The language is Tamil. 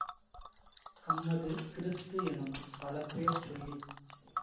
கம்மது, கிறிஸ்து-எனும் பலபேர் சொல்லிச்